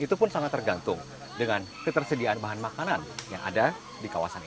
itu pun sangat tergantung dengan ketersediaan bahan makanan yang ada di kawasan ini